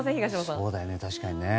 そうだよね、確かにね。